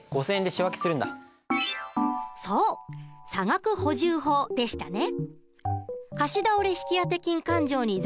差額補充法でしたね。